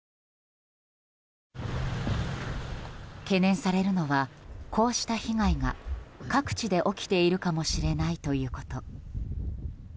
懸念されるのはこうした被害が各地で起きているかもしれないということ。